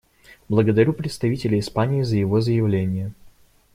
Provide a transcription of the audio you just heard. Благодарю представителя Испании за его заявление.